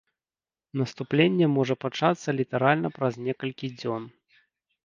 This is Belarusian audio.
Наступленне можа пачацца літаральна праз некалькі дзён.